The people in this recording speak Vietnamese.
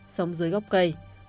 chín sống dưới góc cây